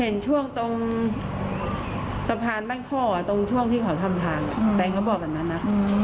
เห็นช่วงตรงสะพานบ้านคอตรงช่วงที่เขาทำทางแฟนเขาบอกแบบนั้นนะ